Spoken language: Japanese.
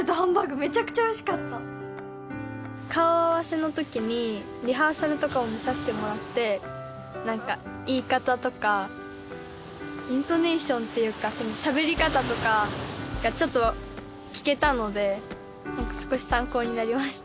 めちゃくちゃおいしかった顔合わせの時にリハーサルとかも見させてもらって何か言い方とかイントネーションっていうかそのしゃべり方とかがちょっと聞けたので少し参考になりました